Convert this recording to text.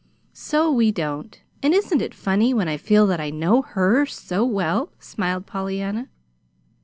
"So we don't! And isn't it funny, when I feel that I know HER so well?" smiled Pollyanna.